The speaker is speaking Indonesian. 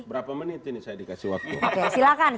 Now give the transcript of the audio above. berapa menit ini saya dikasih waktu